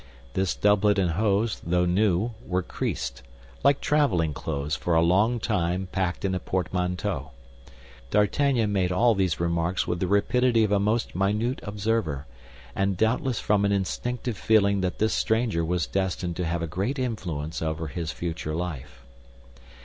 This doublet and hose, though new, were creased, like traveling clothes for a long time packed in a portmanteau. D'Artagnan made all these remarks with the rapidity of a most minute observer, and doubtless from an instinctive feeling that this stranger was destined to have a great influence over his future life.